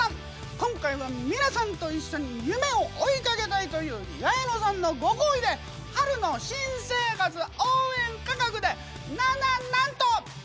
今回は皆さんと一緒に夢を追いかけたいという八重野さんのご厚意で春の新生活応援価格でなななんと！